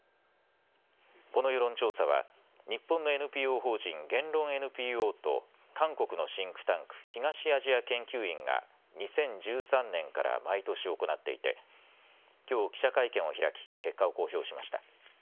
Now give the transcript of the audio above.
この世論調査は日本のＮＰＯ法人言論ＮＰＯと韓国のシンクタンク、東アジア研究院が２０１３年から毎年行っていてきょう記者会見を開き結果を公表しました。